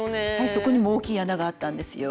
そこにも大きい穴があったんですよ。